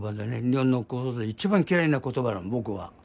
日本の言葉で一番嫌いな言葉なの僕は。